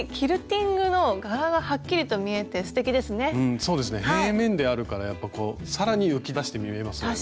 そうですね平面であるからやっぱ更に浮き出して見えますよね。